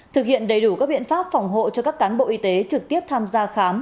thực hiện đầy đủ các biện pháp phòng hộ cho các cán bộ y tế trực tiếp tham gia khám